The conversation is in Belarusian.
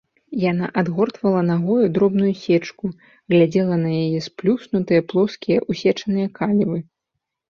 Яна адгортвала нагою дробную сечку, глядзела на яе сплюснутыя, плоскія, усечаныя калівы.